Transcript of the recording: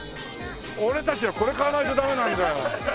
俺たちはこれ買わないとダメなんだよ。